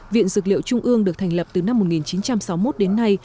viện dược liệu trung ương được thành lập từ năm một nghìn chín trăm sáu mươi một đến nay